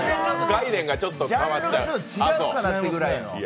概念がちょっと変わっちゃう。